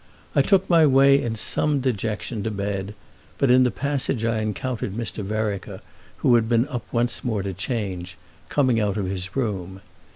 I took my way in some dejection to bed; but in the passage I encountered Mr. Vereker, who had been up once more to change, coming out of his room.